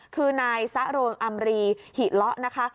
คือนายซะโรงอำรีหิเลาะนะคะ